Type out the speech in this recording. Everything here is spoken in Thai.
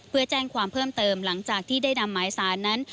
เพื่อแจ้งความเพิ่มเติมหลังจากที่ได้นำหมายสารนั้น